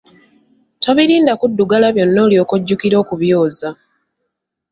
Tobirinda kuddugala byonna olyoke ojjukire okubyoza.